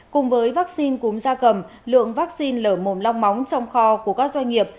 cùng với vaccine cúng gia cầm lượng vaccine lở mồm long móng trong kho của các doanh nghiệp